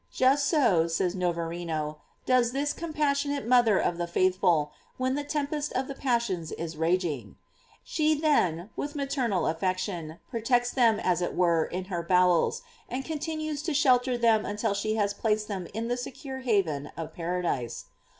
Just so, says Novarino, does this com passionate mother of the faithful, when the tempest of the passions is raging; She then, with maternal affection, protects them as it were in her bowels, and continues to shelter them un til she has placed them in the secure haven of paradise.